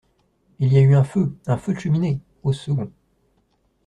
Il y a eu un feu… un feu de cheminée !… au second…